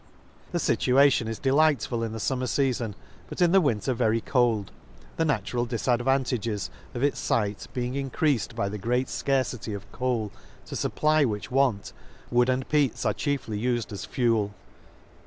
— The fituation is delightful in the fum mer feafon, but in the winter very cold ; the natural difadvantages of its fcite be ing encreafed by the great fcarcity of coal ; to fupply which want, wood and peats are chiefly ufed as fuel.